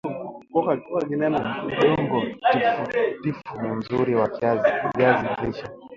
udongo tifutifu ni mzuri kwa viazi lishe